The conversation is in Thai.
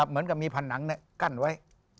เหมือนกับมีผนังกั้นไว้